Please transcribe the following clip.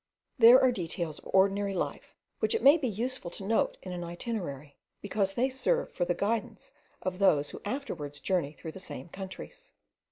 There are details of ordinary life which it may be useful to note in an itinerary, because they serve for the guidance of those who afterwards journey through the same countries.